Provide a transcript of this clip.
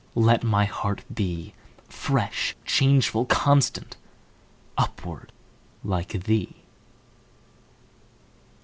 Let my heart be Fresh, changeful, constant, Upward, like thee!